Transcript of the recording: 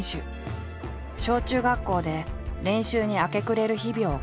小中学校で練習に明け暮れる日々を送っていた。